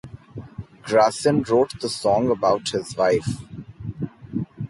Gracin wrote the song about his wife.